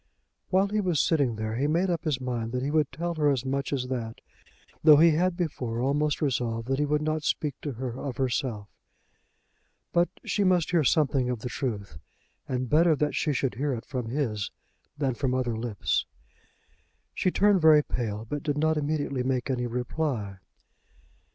While he was sitting there he made up his mind that he would tell her as much as that, though he had before almost resolved that he would not speak to her of herself. But she must hear something of the truth, and better that she should hear it from his than from other lips. She turned very pale, but did not immediately make any reply.